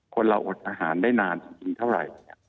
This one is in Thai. คนเราอดอาหารได้นานจริงเท่าไหร่